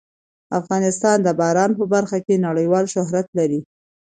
افغانستان د باران په برخه کې نړیوال شهرت لري.